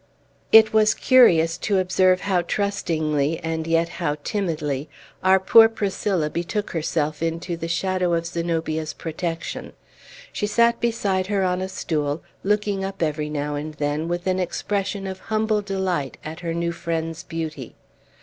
It was curious to observe how trustingly, and yet how timidly, our poor Priscilla betook herself into the shadow of Zenobia's protection. She sat beside her on a stool, looking up every now and then with an expression of humble delight at her new friend's beauty.